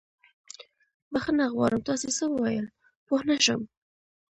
بښنه غواړم، تاسې څه وويل؟ پوه نه شوم.